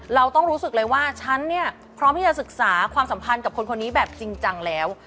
เราต้องรู้สึกเลยว่าฉันเนี่ยพร้อมที่จะศึกษาความสัมพันธ์กับคนคนนี้แบบจริงจังแล้ว